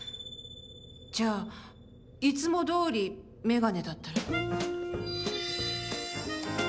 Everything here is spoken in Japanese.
じゃあ、いつもどおり眼鏡だったら。